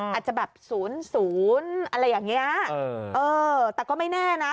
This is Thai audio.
อาจจะแบบ๐๐อะไรอย่างนี้แต่ก็ไม่แน่นะ